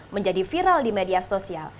menjadi viral di media sosial